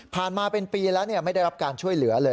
มาเป็นปีแล้วไม่ได้รับการช่วยเหลือเลย